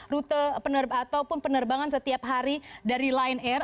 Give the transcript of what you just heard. rute ataupun penerbangan setiap hari dari lion air